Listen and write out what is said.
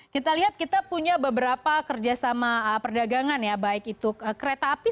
kita lihat kita punya beberapa kerjasama perdagangan ya baik itu kereta api